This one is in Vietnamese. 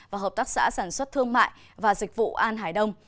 và hợp tác xã sản xuất thương mại và dịch vụ an hải đông